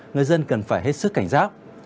người dân cần phải hết sức cảnh giác